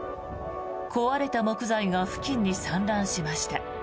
壊れた木材が付近に散乱しました。